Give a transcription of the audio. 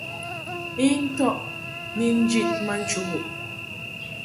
I ntɔʼ ni njid ma nchubuʼ.